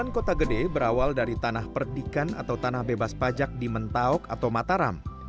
kota gede berawal dari tanah perdikan atau tanah bebas pajak di mentauk atau mataram